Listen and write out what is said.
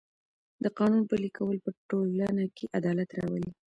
د قانون پلي کول په ټولنه کې عدالت راولي.